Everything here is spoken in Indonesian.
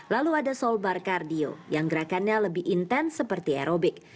lalu ada soul bar cardio yang gerakannya lebih intens seperti aerobik